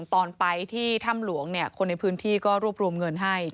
ตอนไปที่ถ้ำหลวงคนในพื้นที่ก็รวบรวมเงินให้